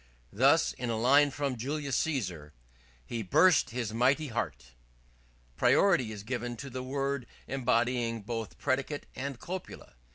Thus, in the line from 'Julius Caesar' "Then burst his mighty heart," priority is given to a word embodying both predicate and copula.